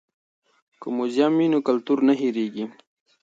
که موزیم وي نو کلتور نه هیریږي.